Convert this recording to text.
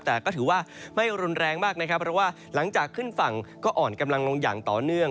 แต่ก็ถือว่าไม่รุนแรงมากนะครับเพราะว่าหลังจากขึ้นฝั่งก็อ่อนกำลังลงอย่างต่อเนื่อง